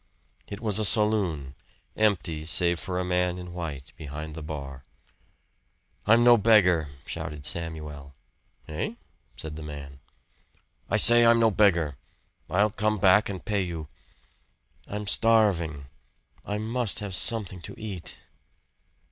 It was a saloon empty, save for a man in white behind the bar. "I'm no beggar!" shouted Samuel. "Hey?" said the man. "I say I'm no beggar! I'll come back and pay you. I'm starving. I must have something to eat."